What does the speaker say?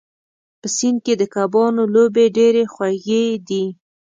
په سیند کې د کبانو لوبې ډېرې خوږې دي.